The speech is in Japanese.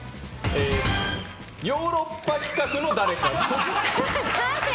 ヨーロッパ企画の誰か。